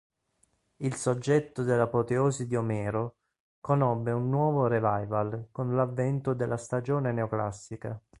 Il soggetto dell'apoteosi di Omero conobbe un nuovo "revival" con l'avvento della stagione neoclassica.